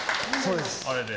あれで。